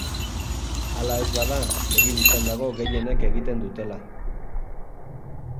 Hala ez bada, begi bistan dago gehienek egiten dutela.